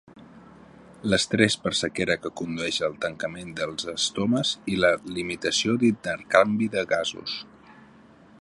L'estrès per sequera que condueix a tancament dels estomes i la limitació d'intercanvi de gasos.